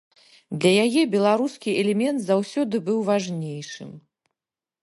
Для яе беларускі элемент заўсёды быў важнейшым.